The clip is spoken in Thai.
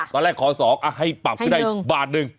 ตอนแรกขอ๒ให้ปรับให้ได้๑บาท